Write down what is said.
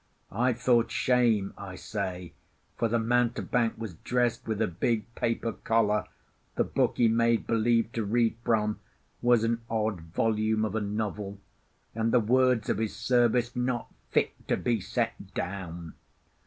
I thought shame, I say; for the mountebank was dressed with a big paper collar, the book he made believe to read from was an odd volume of a novel, and the words of his service not fit to be set down.